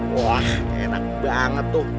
wah enak banget tuh